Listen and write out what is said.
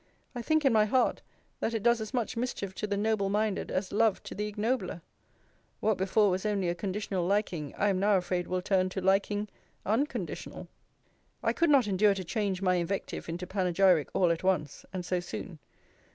I think in my heart, that it does as much mischief to the noble minded, as love to the ignobler. What before was only a conditional liking, I am now afraid will turn to liking unconditional. I could not endure to change my invective into panegyric all at once, and so soon.